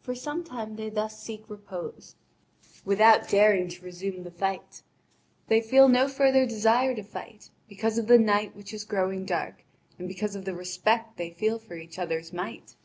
For some time they thus seek repose, without daring to resume the fight. They feel no further desire to fight, because of the night which is growing dark, and because of the respect they feel for each other's might.